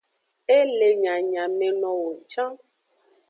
E le nyanyamenowo can.